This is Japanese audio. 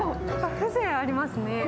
風情ありますね。